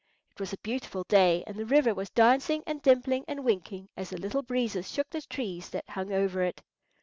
It was a beautiful day, and the river was dancing and dimpling and winking as the little breezes shook the trees that hung over it.